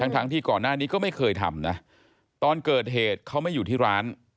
ทั้งที่ก่อนหน้านี้ก็ไม่เคยทำนะตอนเกิดเหตุเขาไม่อยู่ที่ร้าน